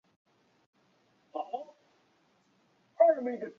魔术新手症候群版本里发现。